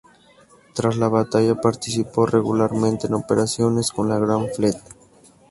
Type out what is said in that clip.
Tras la batalla, participó regularmente en operaciones con la Grand Fleet.